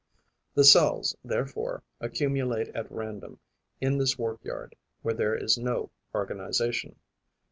The cells, therefore, accumulate at random in this workyard where there is no organization.